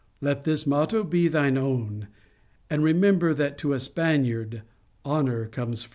' Let his motto be thine own, and remember that to a Spaniard honour comes first."